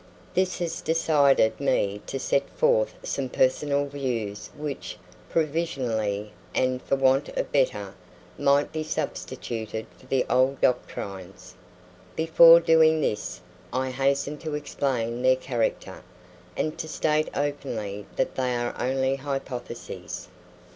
This has decided me to set forth some personal views which, provisionally, and for want of better, might be substituted for the old doctrines. Before doing this, I hasten to explain their character, and to state openly that they are only hypotheses.